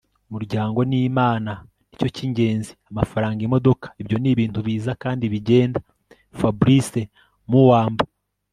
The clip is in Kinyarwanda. umuryango n'imana - nicyo cyingenzi. amafaranga, imodoka, ibyo ni ibintu biza kandi bigenda. - fabrice muamba